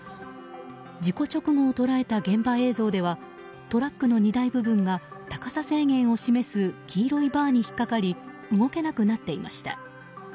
事故直後を捉えた現場映像ではトラックの荷台部分が高さ制限を示す黄色いバーに引っ掛かり動けなくなっていました。